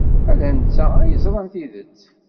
Ala netta ay yeẓran tidet.